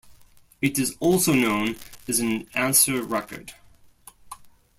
It is also known as an answer record.